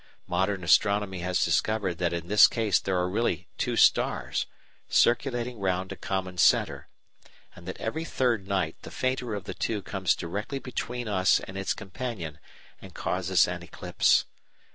Modern astronomy has discovered that in this case there are really two stars, circulating round a common centre, and that every third night the fainter of the two comes directly between us and its companion and causes an "eclipse."